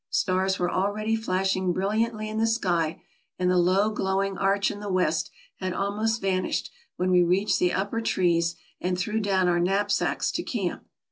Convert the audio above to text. Stars were already flashing brilliantly in the sky, and the low glowing arch in the west had almost vanished when we reached the upper trees and threw down our knapsacks to camp.